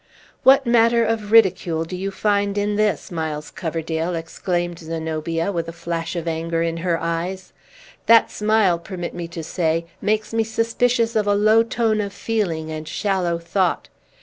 "What matter of ridicule do you find in this, Miles Coverdale?" exclaimed Zenobia, with a flash of anger in her eyes. "That smile, permit me to say, makes me suspicious of a low tone of feeling and shallow thought.